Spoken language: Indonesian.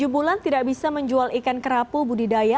tujuh bulan tidak bisa menjual ikan kerapu budidaya